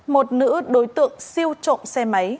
một nữ đối tượng siêu trộm xe máy